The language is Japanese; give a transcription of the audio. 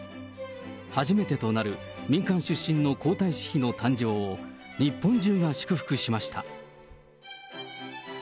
初めてとなる民間出身の皇太子妃の誕生を、日本中が祝福しました。